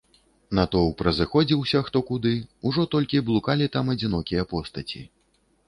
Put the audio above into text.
Натоўп разыходзіўся хто куды, ужо толькі блукалі там адзінокія постаці.